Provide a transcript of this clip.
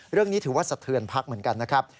เรื่องนี้ถือว่าสะเทือนพักเหมือนกันนะครับ